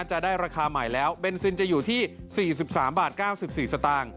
จะได้ราคาใหม่แล้วเบนซินจะอยู่ที่๔๓บาท๙๔สตางค์